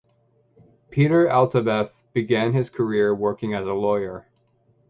Peter Altabef began his career working as a lawyer.